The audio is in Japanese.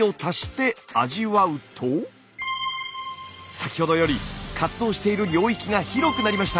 先ほどより活動している領域が広くなりました！